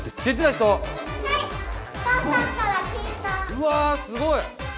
うわすごい！